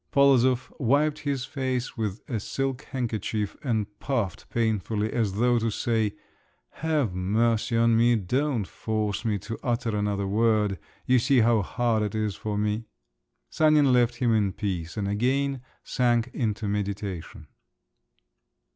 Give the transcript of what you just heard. Polozov wiped his face with a silk handkerchief and puffed painfully, as though to say, "Have mercy on me; don't force me to utter another word. You see how hard it is for me." Sanin left him in peace, and again sank into meditation.